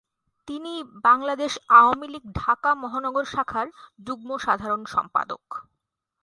তিনি বাংলাদেশ আওয়ামী লীগ ঢাকা মহানগর শাখার যুগ্ম সাধারণ সম্পাদক।